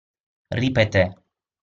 Ripeté.